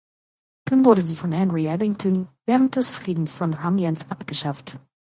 Dann wurde sie von Henry Addington während des Friedens von Amiens abgeschafft.